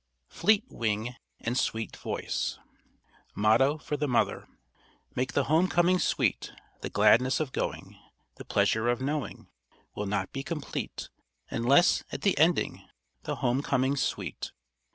FLEET WING AND SWEET VOICE MOTTO FOR THE MOTHER _Make the home coming sweet! The gladness of going, The pleasure of knowing Will not be complete Unless, at the ending, The home coming's sweet.